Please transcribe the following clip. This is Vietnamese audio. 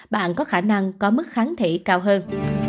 bạn có khả năng có mức kháng thể cao hơn